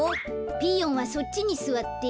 ピーヨンはそっちにすわって。